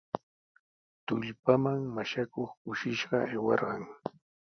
Tullpanman mashakuq kushishqa aywarqan.